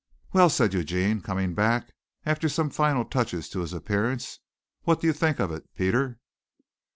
"Well," said Eugene, coming back after some final touches to his appearance, "what do you think of it, Peter?"